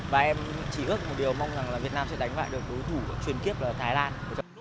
và em chỉ ước một điều mong rằng là việt nam sẽ đánh bại được đối thủ truyền kiếp ở thái lan